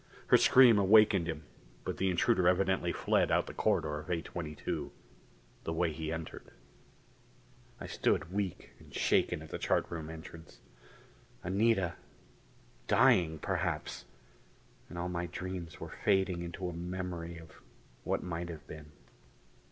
Her scream awakened him, but the intruder evidently fled out the corridor door of A22, the way he entered." I stood weak and shaken at the chart room entrance. Anita dying, perhaps; and all my dreams were fading into a memory of what might have been.